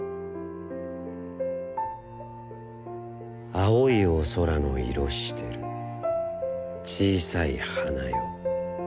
「青いお空の色してる、小さい花よ、よくおきき。